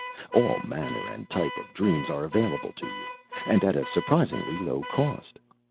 All manner and type of dreams are available to you and at a surprisingly low cost.